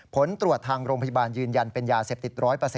ผลตรวจทางโรงพยาบาลยืนยันเป็นยาเสพติด๑๐๐